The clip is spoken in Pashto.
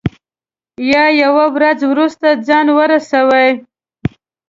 یا یوه ورځ وروسته ځان ورسوي.